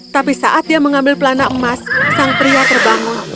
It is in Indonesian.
tapi saat dia mengambil pelana emas sang pria terbangun